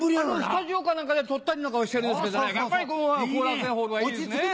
スタジオか何かで撮ったりはしてるんですけどやっぱり後楽園ホールはいいですね。